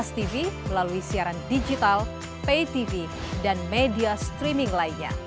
tv melalui siaran digital pay tv dan media streaming lainnya